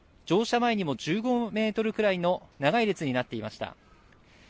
乗車前にも１５メートルくらいの長い列になっていました。